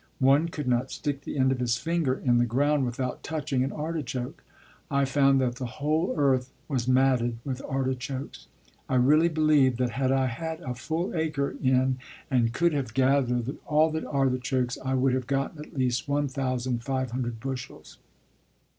One could not stick the end of his finger in the ground without touching an artichoke. I found that the whole earth was matted with artichokes. I really believe that had I had a full acre in and could have gathered all the artichokes, I would have gotten at least 1,500 bushels.